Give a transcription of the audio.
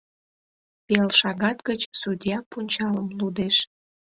Пел шагат гыч судья пунчалым лудеш.